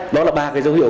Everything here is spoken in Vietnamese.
đó là ba cái dấu hiệu